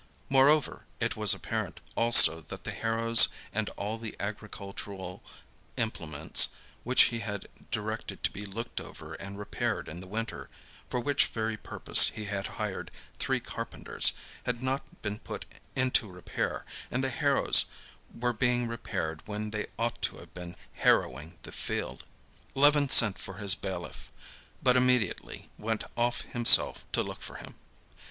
Moreover, it was apparent also that the harrows and all the agricultural implements, which he had directed to be looked over and repaired in the winter, for which very purpose he had hired three carpenters, had not been put into repair, and the harrows were being repaired when they ought to have been harrowing the field. Levin sent for his bailiff, but immediately went off himself to look for him.